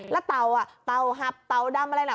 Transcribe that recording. แล้วเต่าอ่ะเต่าหับเต่าดำอะไรล่ะ